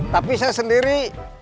tapi saya sendiri